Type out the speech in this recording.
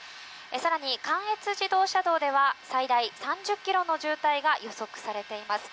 更に、関越自動車道では最大３０ｋｍの渋滞が予測されています。